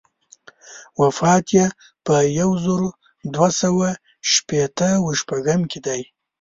وفات یې په یو زر دوه سوه شپېته و شپږم کې دی.